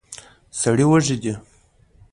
سړی وږی دی.